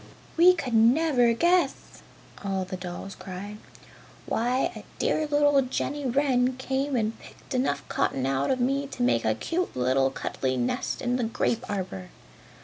"We could never guess!" all the dolls cried. "Why a dear little Jenny Wren came and picked enough cotton out of me to make a cute little cuddly nest in the grape arbor!"